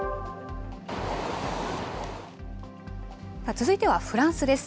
続いてはフランスです。